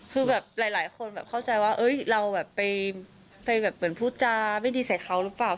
คือหลายคนเข้าใจว่าเราไปเหมือนผู้จาไม่ดีใส่เขาหรือเปล่า